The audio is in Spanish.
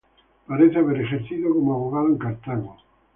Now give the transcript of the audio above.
Parece haber ejercido como abogado en Cartago.